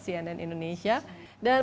cnn indonesia dan